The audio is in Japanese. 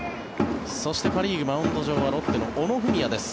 そしてパ・リーグ、マウンド上はロッテの小野郁です。